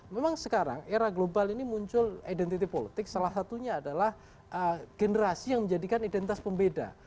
memang sekarang era global ini muncul identitas politik salah satunya adalah generasi yang menjadikan identitas pembeda